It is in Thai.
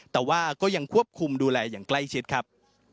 แต่ว่าก็ยังควบคุมดูแลอย่างใกล้ชิดครับ